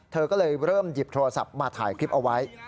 เธอก็เลยเริ่มหยิบโทรศัพท์มาถ่ายคลิปเอาไว้